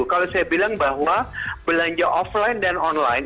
kalau saya bilang bahwa belanja offline dan online